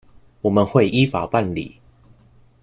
我們會依法辦理